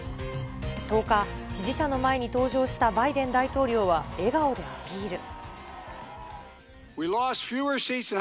１０日、支持者の前に登場したバイデン大統領は笑顔でアピール。